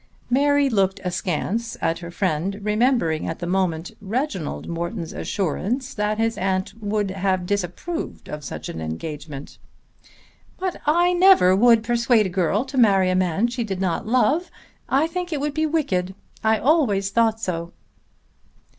Mary looked askance at her friend, remembering at the moment Reginald Morton's assurance that his aunt would have disapproved of such an engagement. "But I never would persuade a girl to marry a man she did not love. I think it would be wicked. I always thought so."